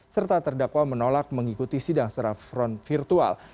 serta terdakwa menolak mengikuti sidang secara front virtual